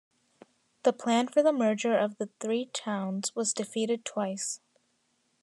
The plan for the merger of the three towns was defeated twice.